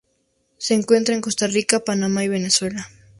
Se encuentra en Costa Rica, Panamá y Venezuela.